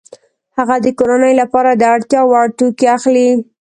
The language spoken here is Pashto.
هغه د کورنۍ لپاره د اړتیا وړ توکي اخلي